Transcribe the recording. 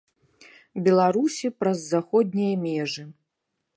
Беларусі праз заходнія межы.